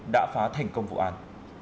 đã phá thành công vụ án